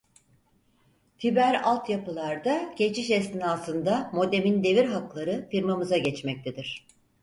Fiber alt yapılarda geçiş esnasında modemin devir hakları firmamıza geçmektedir.